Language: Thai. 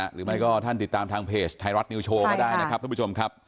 หรือไม่ก็ท่านติดตามทางเพจไทยรัฐนิวโชว์ก็ได้นะครับทุกผู้ชมครับ